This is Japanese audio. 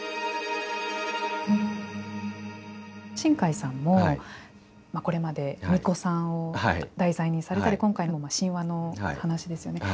新海さんも、これまでみこさんを題材にされたり今回も神話の話ですよね。